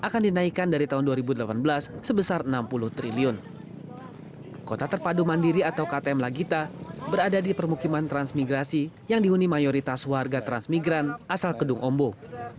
kota terpadu mandiri atau ktm lagita berada di permukiman transmigrasi yang dihuni mayoritas warga transmigran asal kedung ombok